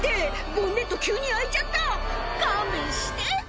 「ボンネット急に開いちゃった勘弁して」